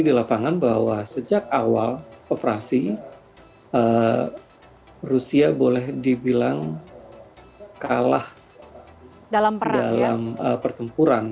di lapangan bahwa sejak awal operasi rusia boleh dibilang kalah dalam pertempuran